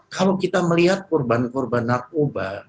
kalau kita melihat korban korban narkoba